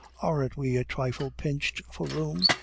Aren't we a trifle pinched for room?"